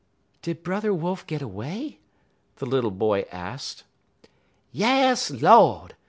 "Did Brother Wolf get away?" the little boy asked. "Yas, Lord!"